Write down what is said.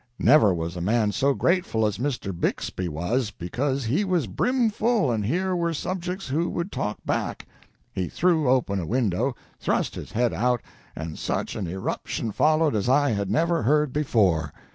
Never was a man so grateful as Mr. Bixby was, because he was brimful, and here were subjects who would talk back. He threw open a window, thrust his head out, and such an irruption followed as I had never heard before